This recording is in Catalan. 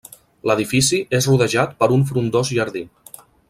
L'edifici és rodejat per un frondós jardí.